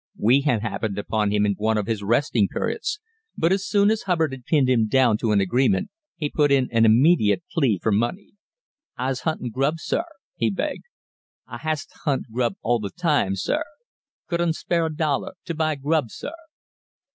We had happened upon him in one of his resting periods, but as soon as Hubbard had pinned him down to an agreement he put in an immediate plea for money. "I'se huntin' grub, sir," he begged. "I has t' hunt grub all th' time, sir. Could 'un spare a dollar t' buy grub, sir?"